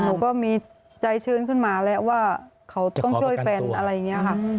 หนูก็มีใจชื้นขึ้นมาแล้วว่าเขาต้องช่วยแฟนอะไรอย่างนี้ค่ะ